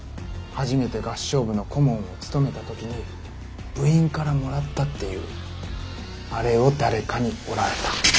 初めて合唱部の顧問を務めた時に部員からもらったっていうあれを誰かに折られた。